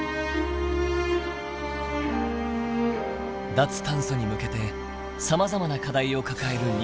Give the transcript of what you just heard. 脱炭素に向けてさまざまな課題を抱える日本。